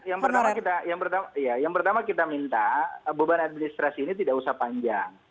yang pertama kita minta beban administrasi ini tidak usah panjang